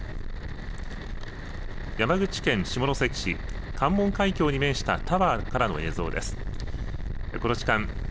山口県下関市関門海峡に面したタワーからの映像です。